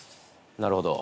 なるほど。